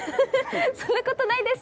そんなことないです！